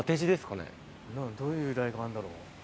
どういう由来があるんだろう？